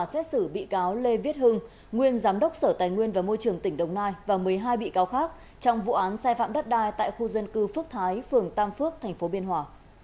tòa xét xử bị cáo lê viết hưng nguyên giám đốc sở tài nguyên và môi trường tỉnh đồng nai và một mươi hai bị cáo khác trong vụ án sai phạm đất đai tại khu dân cư phước thái phường tam phước tp biên hòa